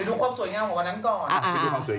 ดูความสวยงามของวันนั้นก่อน